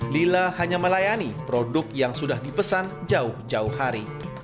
lila hanya melayani produk yang sudah dipesan jauh jauh hari